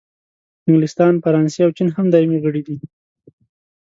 انګلستان، فرانسې او چین هم دایمي غړي دي.